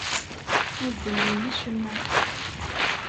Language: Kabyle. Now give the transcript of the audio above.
Ur d-nnin acemma.